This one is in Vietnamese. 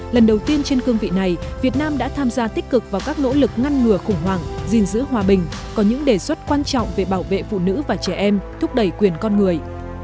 lần đầu tiên trên cương vị này việt nam đã tham gia tích cực vào các nỗ lực ngăn ngừa khủng hoảng gìn giữ hòa bình có những đề xuất quan trọng về bảo vệ phụ nữ và trẻ em thúc đẩy quyền con người